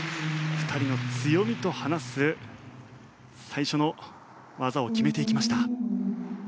２人の強みと話す最初の技を決めていきました。